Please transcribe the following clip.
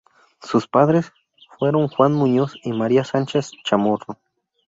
Sus padre fueron Juan Muñoz y María Sánchez Chamorro.